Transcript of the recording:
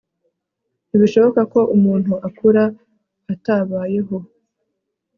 ntibishoboka ko umuntu akura atabayeho